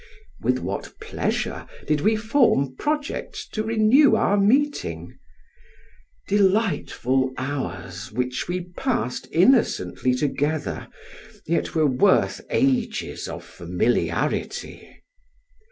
With what pleasure did we form projects to renew our meeting! Delightful hours, which we passed innocently together, yet were worth ages of familiarity!